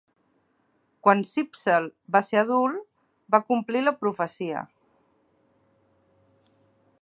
Quan Cípsel va ser adult, va complir la profecia.